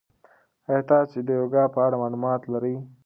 ایا تاسي د یوګا په اړه معلومات لرئ؟